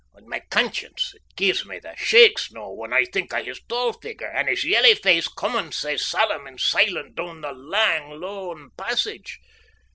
On my conscience, it gies me the shakes noo when I think o' his tall figure and his yelley face comin' sae solemn and silent doon the lang, lone passage.